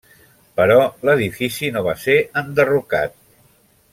Però l'edifici no va ser enderrocat.